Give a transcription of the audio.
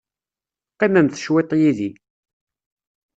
Qqimemt cwiṭ yid-i.